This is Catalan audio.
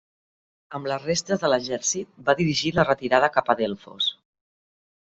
Amb les restes de l'exèrcit va dirigir la retirada cap a Delfos.